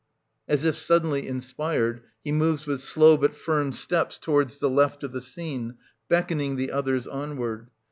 — {As if suddenly inspired, he moves with slow but firm steps towards the left of the scene , beckoning the others onward.)